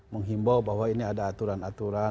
menghimbau bahwa ini ada aturan aturan